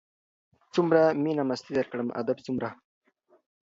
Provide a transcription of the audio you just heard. څومره مينه مستي درکړم ادب څومره